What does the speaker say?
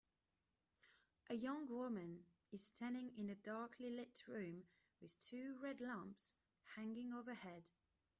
A young woman is standing in a darklylit room with two red lamps hanging overhead.